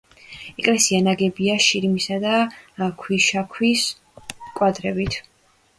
ეკლესია ნაგებია შირიმისა და ქვიშაქვის კვადრებით.